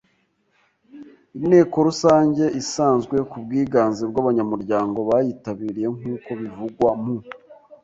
Inteko Rusange isanzwe ku bwiganze bw abanyamuryango bayitabiriye nk uko bivugwa mu